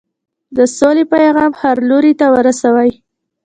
د سولې پیغام هر لوري ته ورسوئ.